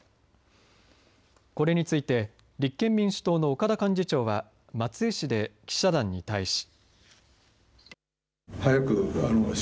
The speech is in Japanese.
これについて立憲民主党の岡田幹事長は松江市で記者団に対し。